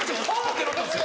てなったんですよ。